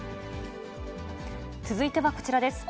続いてはこちらです。